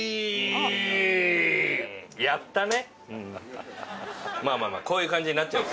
やったね。